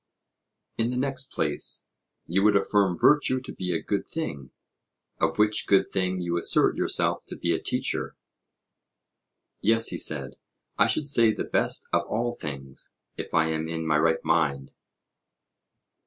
In the next place, you would affirm virtue to be a good thing, of which good thing you assert yourself to be a teacher. Yes, he said; I should say the best of all things, if I am in my right mind.